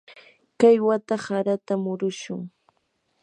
kay wata harata murushun.